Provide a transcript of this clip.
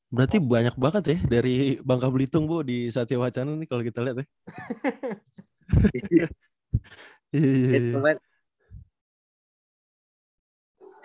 berarti banyak banget ya dari bangka belitung bu di satya wacana ini kalau kita lihat ya